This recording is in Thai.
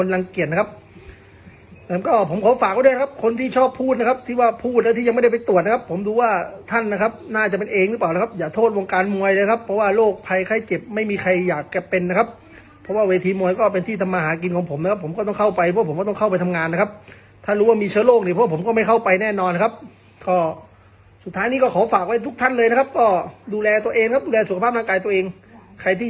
เลยนะครับเพราะว่าโรคภัยไข้เจ็บไม่มีใครอยากแกะเป็นนะครับเพราะว่าเวทีมวยก็เป็นที่ทำมาหากินของผมนะครับผมก็ต้องเข้าไปเพราะผมก็ต้องเข้าไปทำงานนะครับถ้ารู้ว่ามีเชื้อโรคหนี่เพราะผมก็ไม่เข้าไปแน่นอนนะครับก็สุดท้ายนี้ก็ขอฝากไว้ทุกท่านเลยนะครับก็ดูแลตัวเองครับดูแลสุขภาพร่างกายตัวเองใครที่